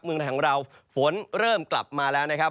เมืองไทยของเราฝนเริ่มกลับมาแล้วนะครับ